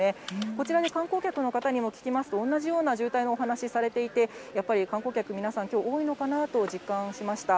こちらで観光客の方にも聞きますと、同じような渋滞のお話されていて、やっぱり観光客、皆さん、きょう多いのかなと実感しました。